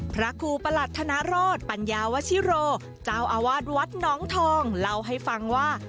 พระครูประหลัดธนโรธปัญญาวชิโรเจ้าอาวาสวัดน้องทองเล่าให้ฟังว่า